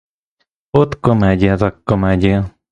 От комедія — так комедія!